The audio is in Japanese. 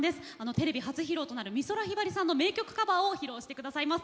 テレビ初披露となる美空ひばりさんの名曲カバーを披露してくださいます。